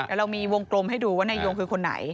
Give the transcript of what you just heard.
เดี๋ยวเรามีวงกลมให้ดูว่านายยงคือคนไหน